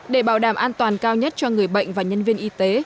để bảo đảm an toàn cao nhất cho người bệnh và nhân viên y tế